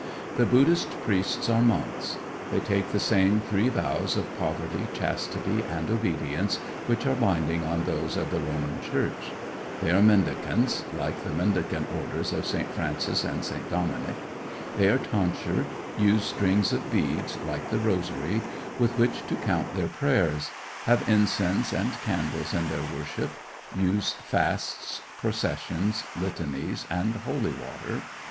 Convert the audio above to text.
The Buddhist priests are monks. They take the same three vows of poverty, chastity, and obedience which are binding on those of the Roman Church. They are mendicants, like the mendicant orders of St. Francis and St. Dominic. They are tonsured; use strings of beads, like the rosary, with which to count their prayers; have incense and candles in their worship; use fasts, processions, litanies, and holy water.